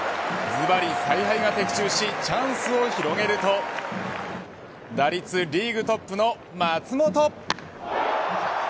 ずばり采配が的中しチャンスを広げると打率リーグトップの松本。